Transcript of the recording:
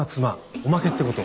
おまけってこと。